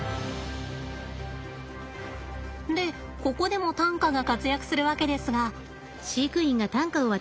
でここでも担架が活躍するわけですが。